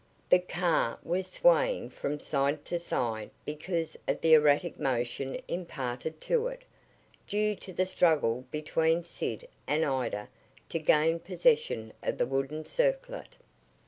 The car was swaying from side to side because of the erratic motion imparted to it, due to the struggle between Sid and Ida to gain possession of the wooden circlet.